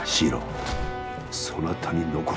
そなたに残す。